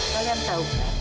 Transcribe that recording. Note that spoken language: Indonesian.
kalian tahu kan